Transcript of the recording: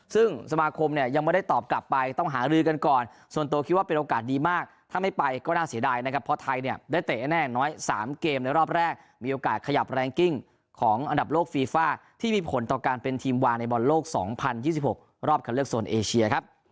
ซึ่งสมาคมเนี่ยยังไม่ได้ตอบกลับไป